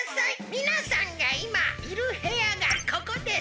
みなさんがいまいるへやがここです！